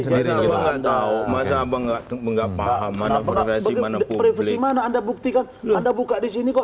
masalah nggak tahu masalah banget nggak paham mana mana anda buktikan anda buka di sini kok